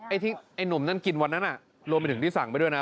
ไอ้ที่ไอ้หนุ่มนั้นกินวันนั้นรวมไปถึงที่สั่งไปด้วยนะ